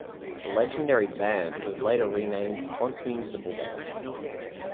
The legendary Band was later renamed the Ponce Municipal Band.